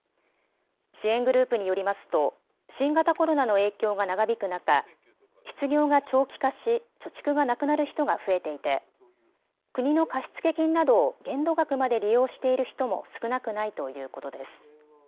支援グループによりますと、新型コロナの影響が長引く中、失業が長期化し、貯蓄がなくなる人が増えていて、国の貸付金などを限度額まで利用している人も少なくないということです。